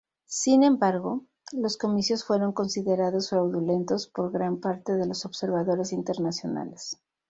Sin embargo, los comicios fueron considerados fraudulentos por gran parte de los observadores internacionales.